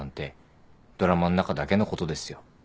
ドラマの中だけのことですよ。